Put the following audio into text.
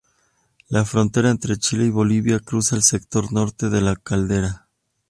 La frontera entre Chile y Bolivia cruza el sector norte de la caldera.